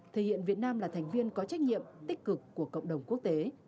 thể hiện việt nam là thành viên có trách nhiệm tích cực của cộng đồng quốc tế